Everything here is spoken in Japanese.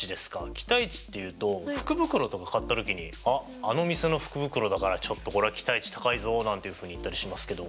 期待値っていうと福袋とか買った時に「あっあの店の福袋だからちょっとこれは期待値高いぞ！」なんていうふうに言ったりしますけど。